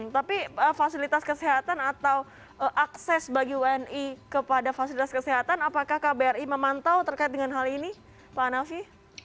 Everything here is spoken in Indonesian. tapi fasilitas kesehatan atau akses bagi wni kepada fasilitas kesehatan apakah kbri memantau terkait dengan hal ini pak nafi